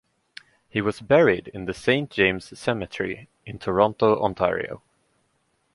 He was buried in the Saint James Cemetery in Toronto, Ontario.